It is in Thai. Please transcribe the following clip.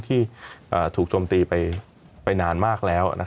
ที่ถูกโจมตีไปนานมากแล้ว